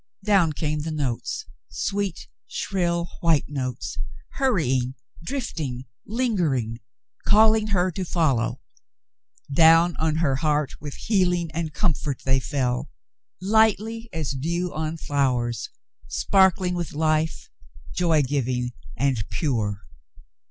Down came the notes, sweet, shrill, white notes, — hurrying, drifting, lingering, calling her to follow ; down on her heart with healing and comfort they fell, lightly as dew on flowers, sparkling with life, joy giving and pure.